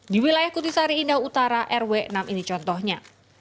di wilayah kutisari indah utara rw enam ini contohnya